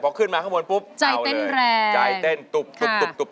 พอขึ้นมาข้างบนปุ๊บเอาเลยใจเต้นแรง